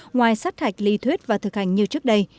ngoài sát hạch lý thuyết và thực hành như trước đây